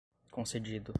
concedido